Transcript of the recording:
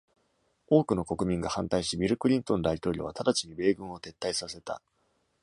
多くの国民が反対し、ビル・クリントン大統領は直ちに米軍を撤退させた。